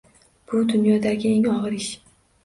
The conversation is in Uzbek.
— Bu dunyodagi eng og‘ir ish.